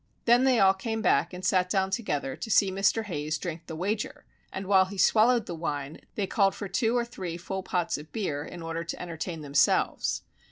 Then they all came back and sat down together to see Mr. Hayes drink the wager, and while he swallowed the wine, they called for two or three full pots of beer, in order to entertain themselves.